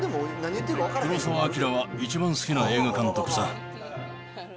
黒澤明は一番好きな映画監督さ。